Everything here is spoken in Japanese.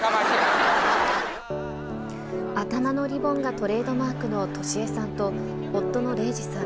頭のリボンがトレードマークの敏江さんと、夫の玲児さん。